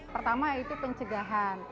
pertama itu pencegahan